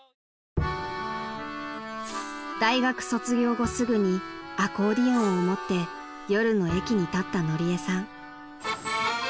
［大学卒業後すぐにアコーディオンを持って夜の駅に立ったのりえさん］